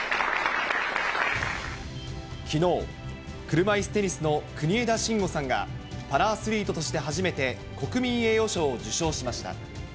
きのう、車いすテニスの国枝慎吾さんが、パラアスリートとして初めて、国民栄誉賞を受賞しました。